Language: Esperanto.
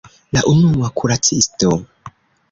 La unua kuracisto!